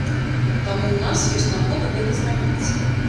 Таму ў нас ёсць нагода гэта зрабіць.